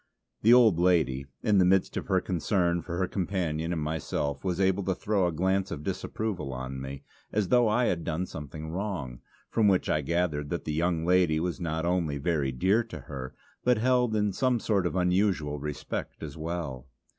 The old lady, in the midst of her concern for her companion and herself, was able to throw a glance of disapproval on me, as though I had done something wrong; from which I gathered that the younger lady was not only very dear to her, but held in some sort of unusual respect as well.